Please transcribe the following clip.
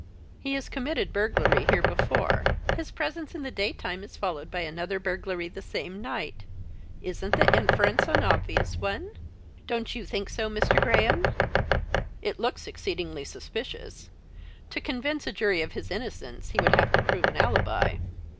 "He has committed burglary here before. His presence in the daytime is followed by another burglary that same night. Isn't the inference an obvious one? Don't you think so, Mr. Graham? "It looks exceedingly suspicious. To convince a jury of his innocence he would have to prove an alibi."